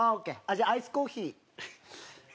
じゃあアイスコーヒー。